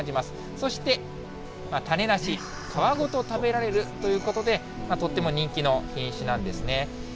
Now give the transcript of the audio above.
そして、種なし、皮ごと食べられるということで、とっても人気の品種なんですね。